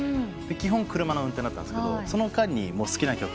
基本車の運転だったんですけどその間に好きな曲